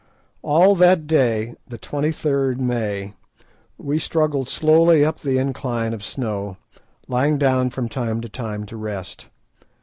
All that day—the 23rd May—we struggled slowly up the incline of snow, lying down from time to time to rest.